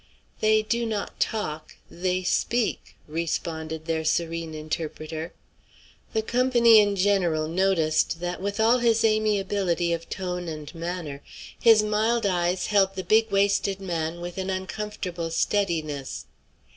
"They do not talk, they speak," responded their serene interpreter. The company in general noticed that, with all his amiability of tone and manner, his mild eyes held the big waisted man with an uncomfortable steadiness.